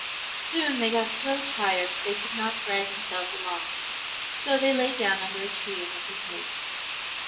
Soon they got so tired that they could not drag themselves along, so they laid down under a tree and went to sleep.